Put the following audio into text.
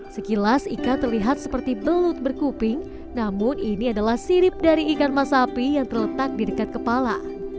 sekilas ikan terlihat seperti belut berkuping namun ini adalah sirip dari ikan masapi yang terletak di dekat kepala